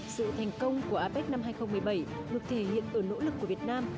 sự thành công của apec năm hai nghìn một mươi bảy được thể hiện ở nỗ lực của việt nam